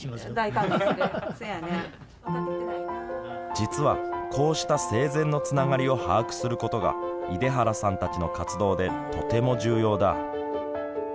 実はこうした生前のつながりを把握することが出原さんたちの活動でとても重要だ。